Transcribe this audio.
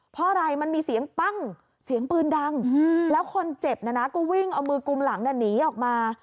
เพราะอะไรมันมีเสียงปั้งเสียงปืนดังแล้วคนเจ็บนะนะก็วิ่งเอามือกุมหลังหนีออกมา